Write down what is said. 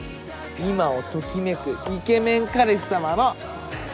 今を時めく「イケメン彼氏様」の！